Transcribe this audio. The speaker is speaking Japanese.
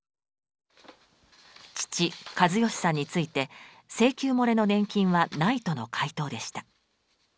父・計義さんについて請求もれの年金はないとの回答でした。